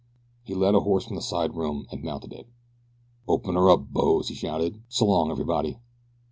He led a horse from the side room, and mounted it. "Open her up, boes!" he shouted, and "S'long everybody!"